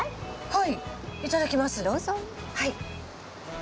はい。